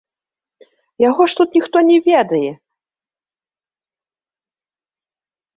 Яго ж тут ніхто не ведае!